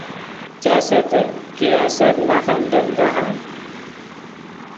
چاسیتے کہ آست ماخ ام گپ دہام